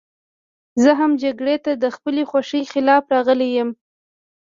زه هم جګړې ته د خپلې خوښې خلاف راغلی یم